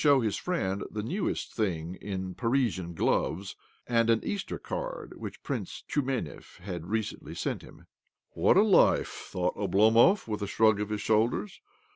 OBLOMOV 29 his friend the newest thing in Parisian gloves and an Easter card which Prince Tiumenev had recently sent him. " What a life !" thought Oblomov, with a shrug of his shoulders.